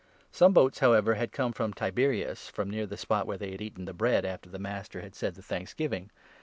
Llf* Some boats, however, had come from Tiberias, from near the spot where they had eaten the bread after the Master had said the thanksgiving.